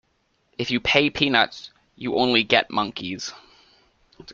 If you pay peanuts, you only get monkeys.